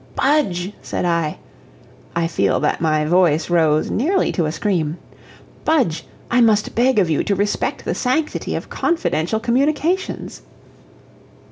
"Budge!" said I I feel that my voice rose nearly to a scream "Budge, I must beg of you to respect the sanctity of confidential communications."